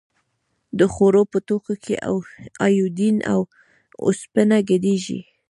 د خوړو په توکو کې ایوډین او اوسپنه ګډیږي؟